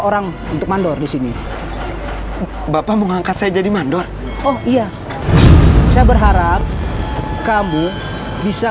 orang untuk mandor di sini bapak mengangkat saya jadi mandor oh iya saya berharap kamu bisa